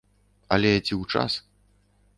Але ці ў час?